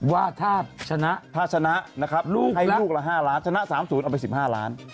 ว่าถ้าชนะถ้าชนะนะครับให้ลูกละ๕ล้านชนะ๓๐เอาไป๑๕ล้าน